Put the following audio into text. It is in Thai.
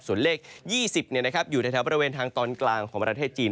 ส่วนเลข๒๐อยู่ในแถวบริเวณทางตอนกลางของประเทศจีน